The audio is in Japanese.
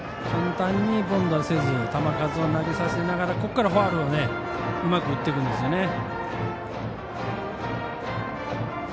簡単に凡打せず球数を投げさせながらここからファウルをうまく打っていくんですね。